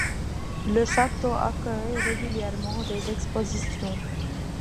Le château accueille régulièrement des expositions.